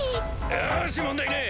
よし問題ねぇ。